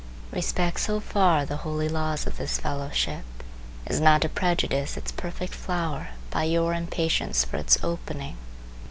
Respect so far the holy laws of this fellowship as not to prejudice its perfect flower by your impatience for its opening.